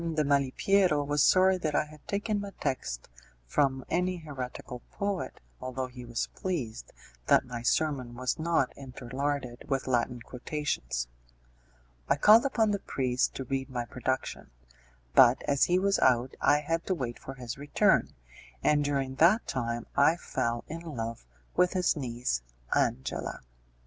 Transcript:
de Malipiero was sorry that I had taken my text from any heretical poet, although he was pleased that my sermon was not interlarded with Latin quotations. I called upon the priest to read my production; but as he was out I had to wait for his return, and during that time I fell in love with his niece, Angela.